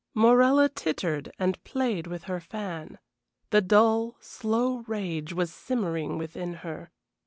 Morella tittered and played with her fan. The dull, slow rage was simmering within her.